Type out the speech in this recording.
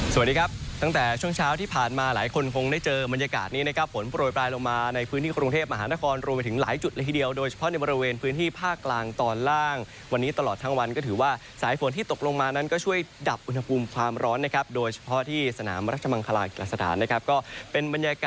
สวัสดีครับตั้งแต่ช่วงเช้าที่ผ่านมาหลายคุณคงได้เจอบรรยากาศนี้นะครับผมปล่อย